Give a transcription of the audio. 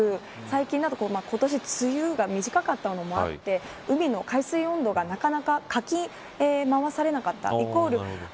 最近、今年梅雨が短かったのもあって海の海水温度が、なかなかかき回されなかった。